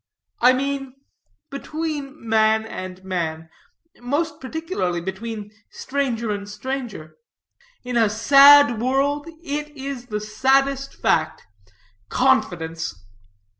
I mean between man and man more particularly between stranger and stranger. In a sad world it is the saddest fact. Confidence!